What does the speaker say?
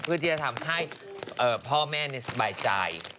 เพื่อที่จะทำให้พ่อแม่สบายใจ